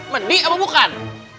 medi apa bukan